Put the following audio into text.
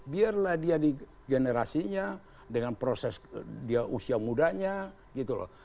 biarlah dia di generasinya dengan proses dia usia mudanya gitu loh